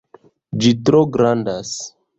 Ĝi tro grandas